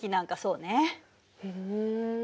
ふん。